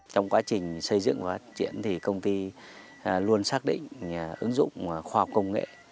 trong quá trình xây dựng và phát triển thì công ty luôn xác định ứng dụng khoa học công nghệ